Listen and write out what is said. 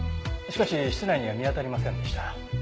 しかし室内には見当たりませんでした。